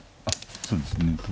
あそうですね。